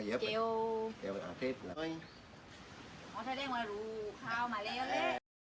น้ำปลาบึกกับซ่าหมกปลาร่า